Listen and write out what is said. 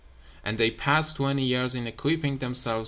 And they passed twenty years in equipping themselves.